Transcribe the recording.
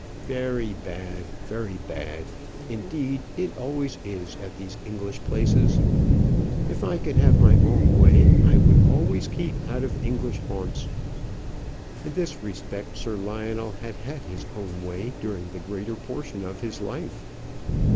"Very bad very bad, indeed; it always is at these English places. If I could have my own way, I would always keep out of English haunts." In this respect Sir Lionel had had his own way during the greater portion of his life.